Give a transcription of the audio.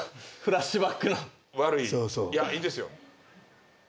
悪いいやいいですよ